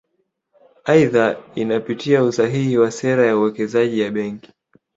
Aidha inapitia usahihi wa sera ya uwekezaji ya Benki